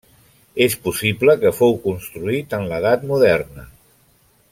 És possible que fou construït en l'edat moderna.